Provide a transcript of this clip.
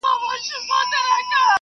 روانه ده او د دې ویرژلي اولس `